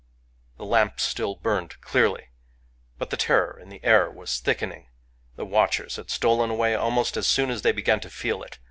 " The lamps still burned clearly ; but the terror in the air was thickening. The watchers had stolen away almost as soon as they began to feel it.